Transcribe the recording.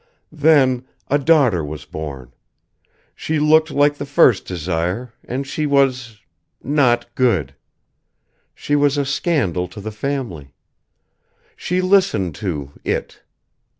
Then, a daughter was born. She looked like the first Desire and she was not good. She was a scandal to the family. She listened to It